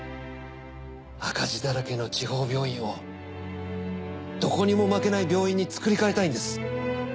赤字だらけの地方病院をどこにも負けない病院に作り変えたいんです。